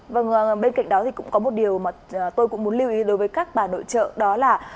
vâng bên cạnh đó thì cũng có một điều mà tôi cũng muốn lưu ý đối với các bà nội trợ đó là